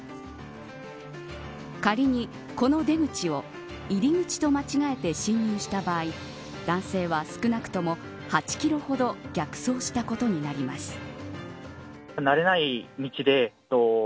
仮に、この出口を入り口と間違えて進入した場合男性は少なくとも８キロほど逆走したことになります。